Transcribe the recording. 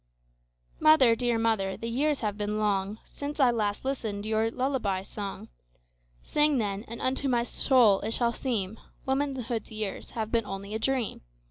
Mother, dear mother, the years have been longSince I last listened your lullaby song:Sing, then, and unto my soul it shall seemWomanhood's years have been only a dream.